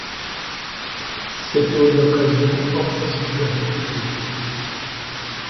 C'était une occasion impossible à refuser.